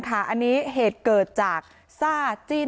อันนี้เหตุเกิดจากซ่าจิ้น